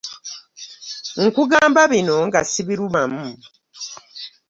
Nkugamba bino nga ssibirumamu.